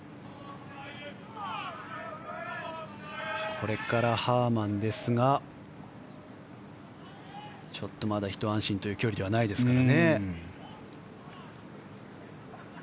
これからハーマンですがちょっとまだひと安心という距離ではないですからね。